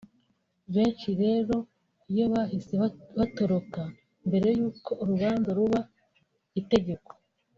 Benshi rero iyo bahise batoroka mbere y’uko urubanza ruba itegeko